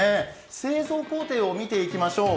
製造工程を見ていきましょう。